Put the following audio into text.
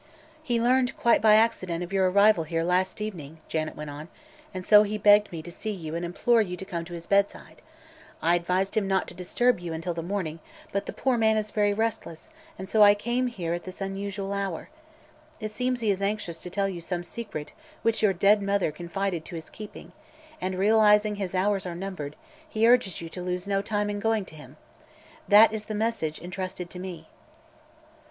"He learned, quite by accident, of your arrival here last evening," Janet went on, "and so he begged me to see you and implore you to come to his bedside. I advised him not to disturb you until morning, but the poor man is very restless and so I came here at this unusual hour. It seems he is anxious to tell you some secret which your dead mother confided to his keeping and, realizing his hours are numbered, he urges you to lose no time in going to him. That is the message entrusted to me."